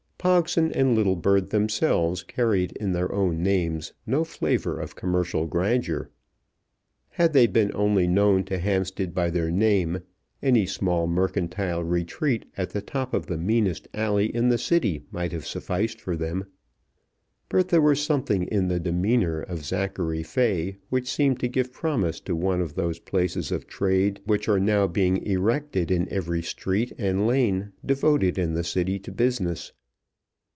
Pogson and Littlebird themselves carried in their own names no flavour of commercial grandeur. Had they been only known to Hampstead by their name, any small mercantile retreat at the top of the meanest alley in the City might have sufficed for them. But there was something in the demeanour of Zachary Fay which seemed to give promise of one of those palaces of trade which are now being erected in every street and lane devoted in the City to business.